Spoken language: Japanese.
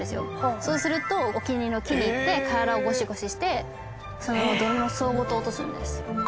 そうするとお気に入りの木に行って体をゴシゴシしてその泥の層ごと落とすんです。